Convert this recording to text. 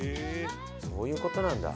そういう事なんだ。